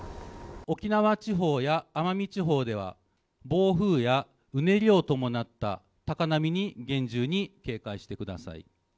沖縄地方や奄美地方では、暴風やうねりを伴った高波に厳重に警戒してください。